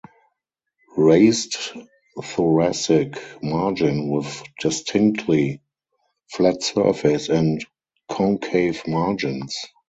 Raised thoracic margin with distinctly flat surface and concave margins.